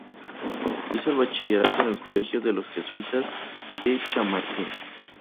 Hizo el bachillerato en el colegio de los jesuitas de Chamartín.